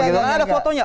ya ada fotonya